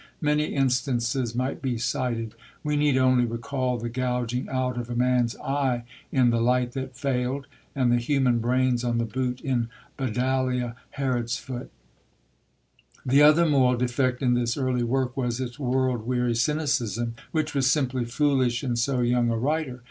Many instances might be cited; we need only recall the gouging out of a man's eye in The Light that Failed, and the human brains on the boot in Badalia Herodsfoot. The other moral defect in this early work was its world weary cynicism, which was simply foolish in so young a writer.